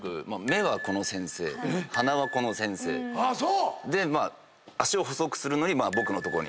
目はこの先生鼻はこの先生。で脚を細くするのに僕の所に来て。